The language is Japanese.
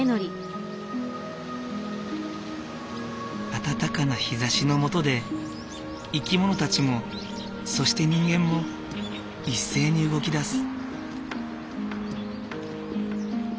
暖かな日ざしの下で生き物たちもそして人間も一斉に動き出す。